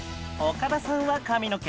岡田さんは「髪の毛」